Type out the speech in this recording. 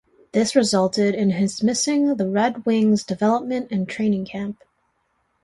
This resulted in his missing the Red Wings Development and Training Camp.